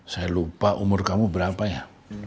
saya lupa umur kamu berapa ya